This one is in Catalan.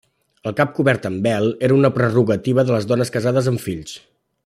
El cap cobert amb vel era una prerrogativa de les dones casades amb fills.